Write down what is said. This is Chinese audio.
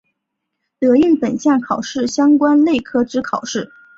得应本项考试相关类科之考试。